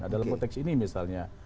ada lembaga teks ini misalnya